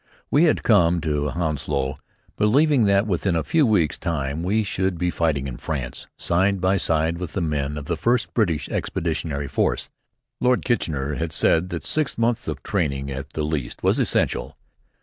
We had come to Hounslow, believing that, within a few weeks' time, we should be fighting in France, side by side with the men of the first British expeditionary force. Lord Kitchener had said that six months of training, at the least, was essential.